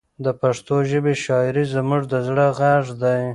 د پښتو ژبې شاعري زموږ د زړه غږ دی.